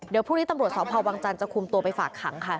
เดี๋ยวพรุ่งนี้ตำรวจสพวังจันทร์จะคุมตัวไปฝากขังค่ะ